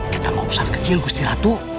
kita mau pesan kecil gusti ratu